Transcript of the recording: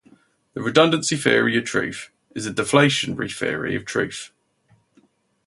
The redundancy theory of truth is a deflationary theory of truth.